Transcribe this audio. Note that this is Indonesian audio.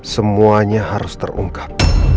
semuanya harus terungkap